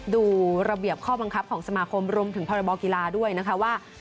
ดูระเบียบข้อบังคับของสมาคมรวมถึงพรบกีฬาด้วยนะคะว่า